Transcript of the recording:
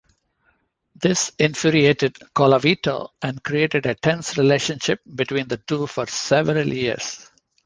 This infuriated Colavito and created a tense relationship between the two for several years.